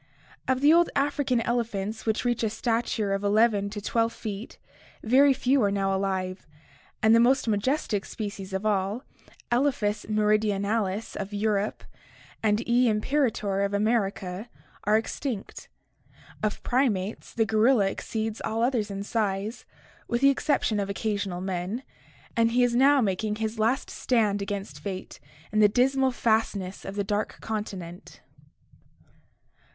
Of the old African elephants which reach a stature of 11 to 12 feet, very few are now alive, and the most majestic species of all, Elepkas meridionalis of Europe and E, imperator of America, are extinct. Of primates, the gorilla exceeds all others in size, with the exception of occasional men, and he is now making his last stand against fate in the dismal fastness of the dark continent.